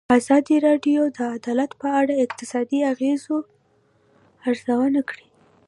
ازادي راډیو د عدالت په اړه د اقتصادي اغېزو ارزونه کړې.